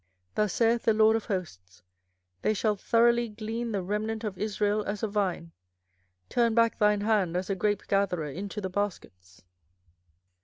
24:006:009 Thus saith the LORD of hosts, They shall throughly glean the remnant of Israel as a vine: turn back thine hand as a grapegatherer into the baskets.